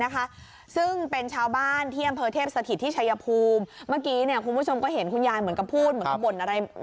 เมื่อกี้เนี่ยคุณผู้ชมก็เห็นคุณยายเหมือนกับพูดเหมือนกับบ่นอะไร